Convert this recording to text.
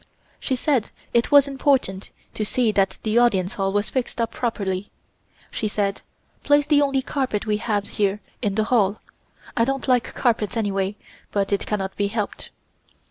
She said it was important to see that the Audience Hall was fixed up properly. She said: "Place the only carpet we have here in the hall. I don't like carpets anyway, but it cannot be helped."